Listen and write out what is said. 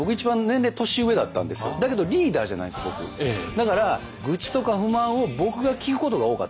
だから愚痴とか不満を僕が聞くことが多かったんですね。